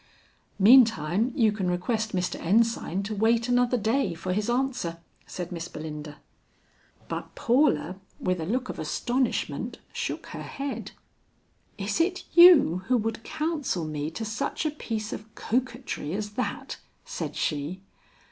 "Meantime, you can request Mr. Ensign to wait another day for his answer," said Miss Belinda. But Paula with a look of astonishment shook her head. "Is it you who would counsel me to such a piece of coquetry as that?" said she.